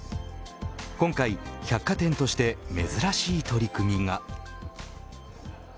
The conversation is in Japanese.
今回、百貨店として珍しい取り組みが。